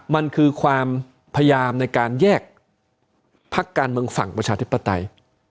มันคือความพยายามในการแยกพักการเมืองฝั่งประชาธิปไตย